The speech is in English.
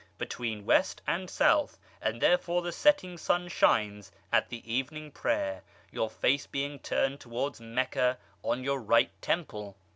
Between west and south; and therefore the setting sun shines at the evening prayer (your face being turned towards Meccah) on your right temple.